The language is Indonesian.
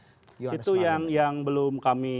johannes malmik itu yang belum kami